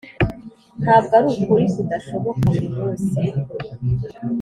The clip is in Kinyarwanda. ntabwo ari ukuri kudashoboka buri munsi.